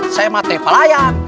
saya mati pelayan